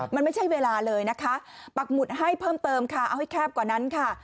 มันไม่ใช่เวลาเลยนะคะปักหมุดให้เพิ่มเติมค่ะเอาให้แคบกว่านั้นค่ะ